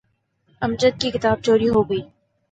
امجد کی کتاب چوری ہو گئی۔